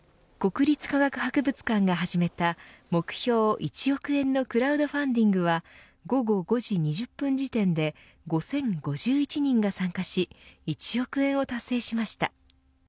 国立科学博物館が始めた目標１億円のクラウドファンディングは午後５時２０分時点で５０５１人が参加し１億円を達成しました。